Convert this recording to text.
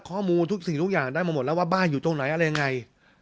ข้อมูลทุกสิ่งทุกอย่างได้มาหมดแล้วว่าบ้านอยู่ตรงไหนอะไรยังไง